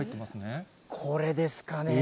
これですかね。